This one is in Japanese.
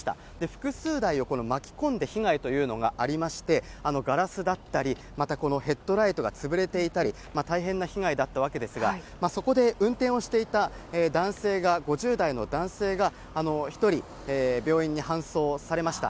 複数台を巻き込んで被害というのがありまして、ガラスだったり、またヘッドライトが潰れていたり、大変な被害だったわけですが、そこで運転をしていた男性が、５０代の男性が１人、病院に搬送されました。